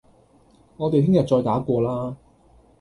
我哋聽日再打過啦